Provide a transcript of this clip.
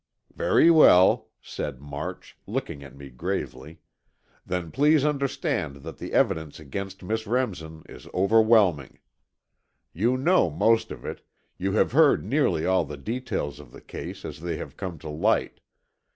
"Very well," said March, looking at me gravely, "then please understand that the evidence against Miss Remsen is overwhelming. You know most of it, you have heard nearly all the details of the case as they have come to light.